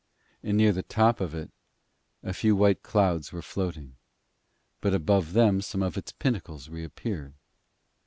And near the top of it a few white clouds were floating, but above them some of its pinnacles reappeared.